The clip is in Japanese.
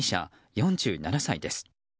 ４７歳です。